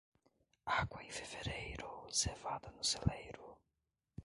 Água em fevereiro, cevada no celeiro.